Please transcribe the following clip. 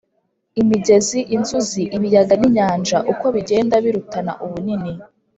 imigezi, inzuzi, ibiyaga n’inyanja uko bigenda birutana ubunini